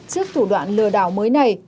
trước thủ đoạn lừa đảo mới này